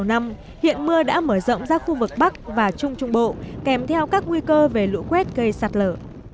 trong đêm nay hiện mưa đã mở rộng ra khu vực bắc và trung trung bộ kèm theo các nguy cơ về lũ quét gây sạt lở